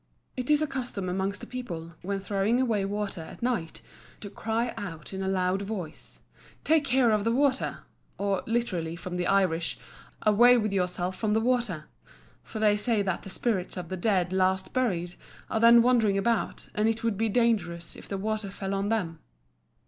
It is a custom amongst the people, when throwing away water at night, to cry out in a loud voice, "Take care of the water;" or literally, from the Irish, "Away with yourself from the water" for they say that the spirits of the dead last buried are then wandering about, and it would be dangerous if the water fell on them.